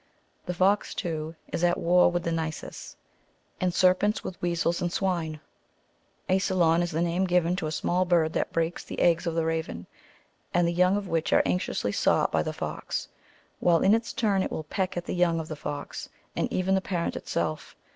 The fox, too, is at war with the nisus,^^ and serpents with weasels and swine, ^salon^* is the name given to a small bird that breaks the eggs of the raven, and the young of which are anxiously sought by the fox ; while in its turn it will peck at the young of the fox, and even the parent itself.